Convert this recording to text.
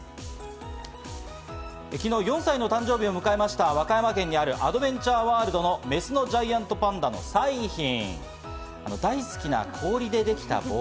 昨日４歳の誕生日を迎えた、和歌山県にあるアドベンチャーワールドのメスのジャイアントパンダ、彩浜。